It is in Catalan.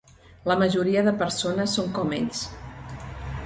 La majoria de les persones són com ells.